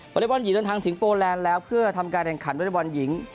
อเล็กบอลหญิงเดินทางถึงโปรแลนด์แล้วเพื่อทำการแข่งขันวอเล็กบอลหญิง